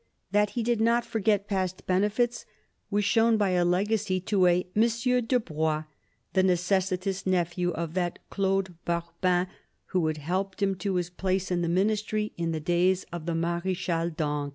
That he did not forget past benefits was shown by a legacy to a M. de Broye, the necessitous nephew of that Claude Barbin who had helped him to his place in the Ministry in the days of the Marechal d'Ancre.